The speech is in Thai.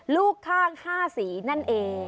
ลูกข้าง๕สีนั่นเอง